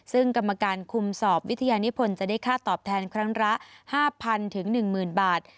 ซึ่งกรรมการคุมสอบวิทยานิพลจะได้ค่าตอบแทนครั้งละ๕๐๐๐๑๐๐บาท